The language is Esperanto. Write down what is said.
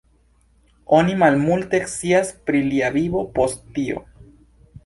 Oni malmulte scias pri lia vivo post tio.